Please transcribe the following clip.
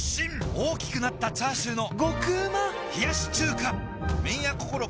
大きくなったチャーシューの麺屋こころ